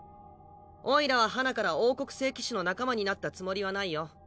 おいらははなから王国聖騎士の仲間になったつもりはないよ。